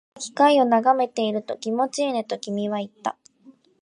僕が機械を眺めていると、気持ちいいねと君は言った